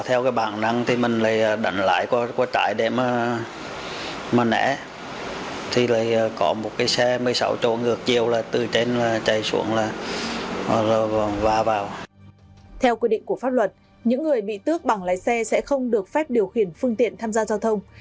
theo quy định của pháp luật những người bị tước bằng lái xe sẽ không được phép điều khiển phương tiện tham gia giao thông